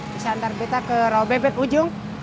bisa antar betta ke rauh bebet ujung